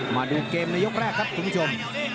มาดูเกมในยกแรกครับคุณผู้ชม